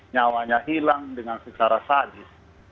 nyawanya hilang dengan secara sadis